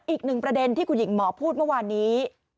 อีกหนึ่งประเด็นที่คุณหญิงหมอพูดเมื่อวานนี้